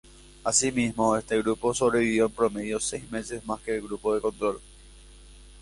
Asimismo, este grupo sobrevivió en promedio seis meses más que el grupo de control.